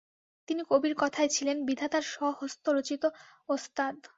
তিনি কবির কথায় ছিলেন "বিধাতার স্বহস্তরচিত" ওস্তাদ।